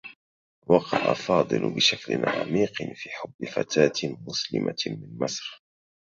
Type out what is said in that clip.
وقع فاضل بشكل عميق في حبّ فتاة مسلمة من مصر.